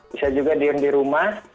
bisa juga diem di rumah